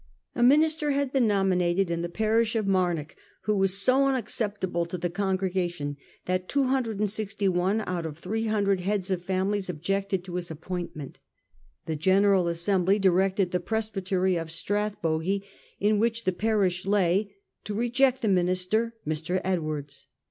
A minister had been nominated in the parish of Marnoch who was so unacceptable to the congregation that 261 out of 300 heads of families objected to his appointment. The General Assembly directed the presbytery of Strathbogie, in which the parish lay, to reject the minister, Mr. Edwards.